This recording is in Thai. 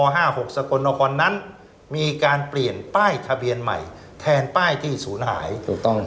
ห้าหกสกลนครนั้นมีการเปลี่ยนป้ายทะเบียนใหม่แทนป้ายที่ศูนย์หายถูกต้อง